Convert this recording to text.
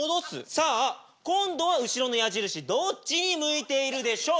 さあ今度は後ろの矢印どっちに向いているでしょう！